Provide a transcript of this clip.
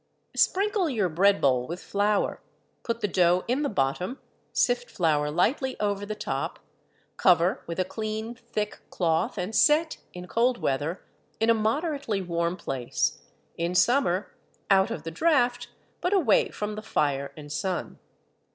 Sprinkle your bread bowl with flour, put the dough in the bottom, sift flour lightly over the top, cover with a clean thick cloth and set, in cold weather, in a moderately warm place, in summer, out of the draught, but away from the fire and sun.